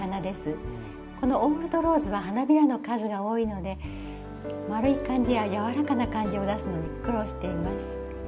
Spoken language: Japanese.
このオールドローズは花びらの数が多いので丸い感じや柔らかな感じを出すのに苦労しています。